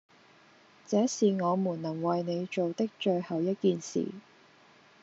這是我們能為你做的最後一件事！